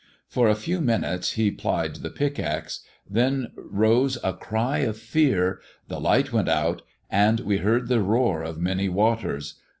For a few minutes h plied the pickaxe; then rose a cry of fear, the b'ght went out, and we heard the roar of many waters.